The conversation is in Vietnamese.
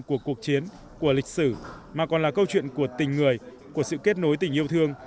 của cuộc chiến của lịch sử mà còn là câu chuyện của tình người của sự kết nối tình yêu thương